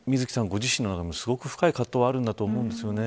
ご自身の中でもすごく深い葛藤があるんだと思うんですよね。